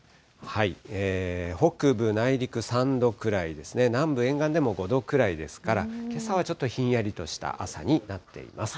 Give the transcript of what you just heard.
北部内陸３度ぐらいですね、南部沿岸でも５度ぐらいですから、けさはちょっとひんやりとした朝になっています。